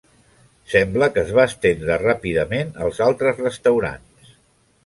Sembla que es va estendre ràpidament als altres restaurants.